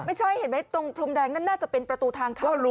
ไม่ใช่เห็นไหมตรงพรมแดงนั่นน่าจะเป็นประตูทางเข้า